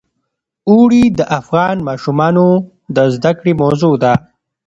اوړي د افغان ماشومانو د زده کړې موضوع ده.